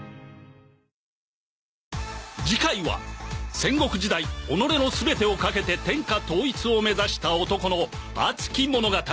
次回は戦国時代己の全てをかけて天下統一を目指した男の熱き物語。